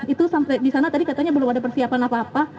itu sampai di sana tadi katanya belum ada persiapan apa apa